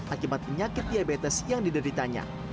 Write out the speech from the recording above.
akibat penyakit diabetes yang dideritanya